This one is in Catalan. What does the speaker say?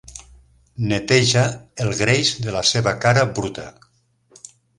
Neteja el greix de la seva cara bruta.